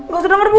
gak usah nomer bu